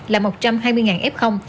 là một trăm hai mươi f